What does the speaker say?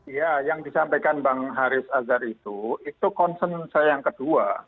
ya yang disampaikan bang haris azhar itu itu concern saya yang kedua